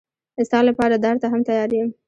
ستا لپاره دار ته هم تیار یم.